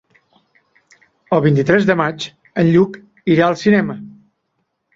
El vint-i-tres de maig en Lluc irà al cinema.